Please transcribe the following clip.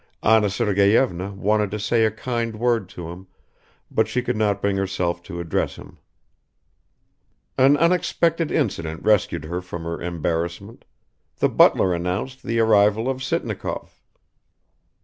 Anna Sergeyevna wanted to say a kind word to him, but she could not bring herself to address him ... An unexpected incident rescued her from her embarrassment: the butler announced the arrival of Sitnikov.